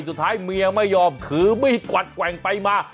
สุดท้ายเมียไม่ยอมถือมีดกวัดแกว่งไปมา